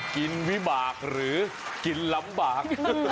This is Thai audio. วิบากหรือกินลำบาก